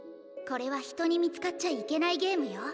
これは人に見付かっちゃいけないゲームよ。